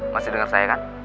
masih denger saya kan